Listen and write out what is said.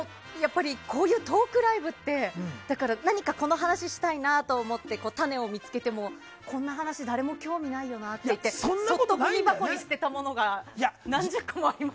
こういうトークライブって何かこの話をしたいなと思ってタネを見つけてもこんな話誰も興味ないよなってそっとごみ箱に捨てたものが何十個もあります。